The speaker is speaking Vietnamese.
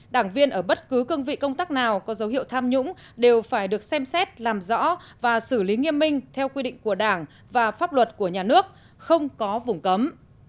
đảng viên ở bất cứ cương vị công tác nào có dấu hiệu tham nhũng đều phải được xem xét làm rõ và xử lý nghiêm minh theo quy định của đảng và pháp luật của nhà nước không có vùng cấm